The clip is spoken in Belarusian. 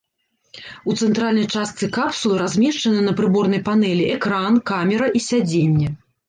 У цэнтральнай частцы капсулы размешчаны на прыборнай панэлі экран, камера і сядзенне.